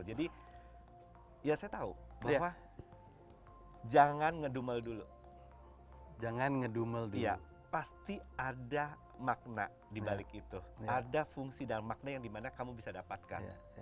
jadi ya saya tahu bahwa jangan ngedumel dulu pasti ada makna dibalik itu ada fungsi dan makna yang dimana kamu bisa dapatkan